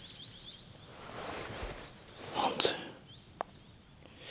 何で？